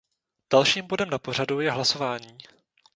Dalším bodem na pořadu je hlasování.